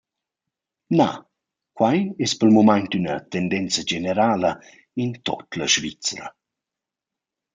Na, quai es pel mumaint üna tendenza generala in tuot la Svizra.